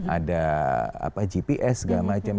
ada gps segala macam